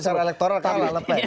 bisa kalau elektoral kalah le pen